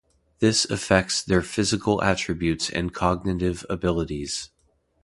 This affects their physical attributes and cognitive abilities.